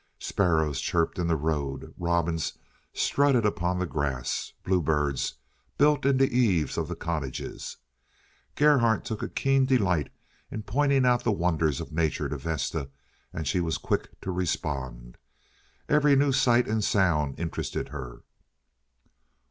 Sparrows chirped in the road; robins strutted upon the grass; bluebirds built in the eaves of the cottages. Gerhardt took a keen delight in pointing out the wonders of nature to Vesta, and she was quick to respond. Every new sight and sound interested her.